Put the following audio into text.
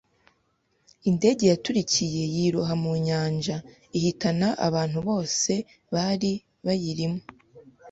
Indege yaturikiye yiroha mu nyanja, ihitana abantu bose bari bayirimo.